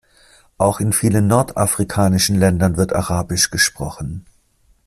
Auch in vielen nordafrikanischen Ländern wird arabisch gesprochen.